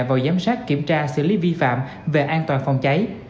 vào giám sát kiểm tra xử lý vi phạm về an toàn phòng cháy